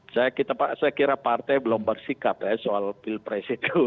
saya kira partai belum bersikap ya soal pil presidio